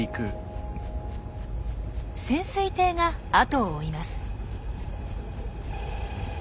潜水艇が後を追います。